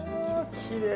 きれい。